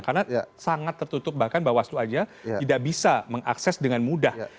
karena sangat tertutup bahkan bahwa itu saja tidak bisa mengakses dengan mudah